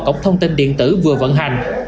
cổng thông tin điện tử vừa vận hành